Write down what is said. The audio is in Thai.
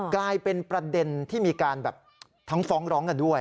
กลายเป็นประเด็นที่มีการแบบทั้งฟ้องร้องกันด้วย